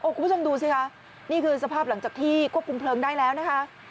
คุณผู้ชมดูสิคะนี่คือสภาพหลังจากที่ควบคุมเพลิงได้แล้วนะคะ